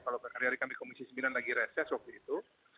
dari kami komisi sembilan lagi reses waktu itu